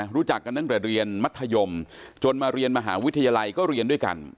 รู้จักกันตั้งแต่เรียนมัธยมจนมาเรียนมหาวิทยาลัยก็เรียนด้วยกัน